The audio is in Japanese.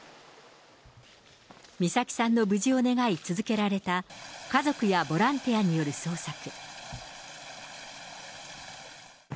美咲さんの無事を願い続けられた家族やボランティアによる捜索。